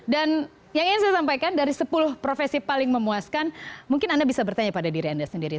dan yang ingin saya sampaikan dari sepuluh profesi paling memuaskan mungkin anda bisa bertanya pada diri anda sendiri